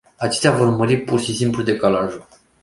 Acestea vor mări pur și simplu decalajul.